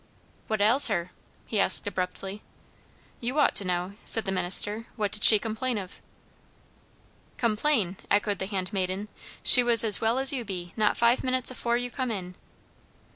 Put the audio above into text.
"What ails her?" she asked abruptly. "You ought to know," said the minister. "What did she complain of." "Complain!" echoed the handmaiden. "She was as well as you be, not five minutes afore you come in."